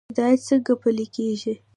هدایت څنګه پلی کیږي؟